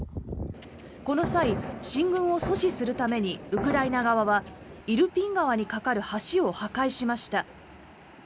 この際、進軍を阻止するためにウクライナ側はイルピン川に架かる橋を破壊しました。